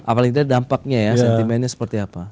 apalagi dia dampaknya ya sentimennya seperti apa